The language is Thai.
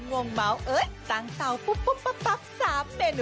เรานั่งใช่